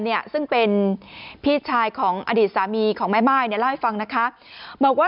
เนี่ยซึ่งเป็นพี่ชายของอดีตสามีของแม่ม่ายเนี่ยเล่าให้ฟังนะคะบอกว่า